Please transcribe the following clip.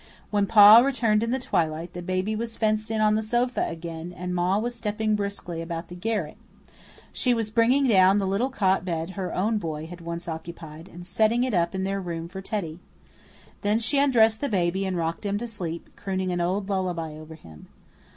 When Pa returned in the twilight, the baby was fenced in on the sofa again, and Ma was stepping briskly about the garret. She was bringing down the little cot bed her own boy had once occupied, and setting it up in their room for Teddy. Then she undressed the baby and rocked him to sleep, crooning an old lullaby over him.